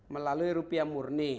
melalui rupiah murni